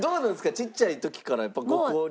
ちっちゃい時からやっぱ交流。